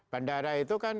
bandara itu kan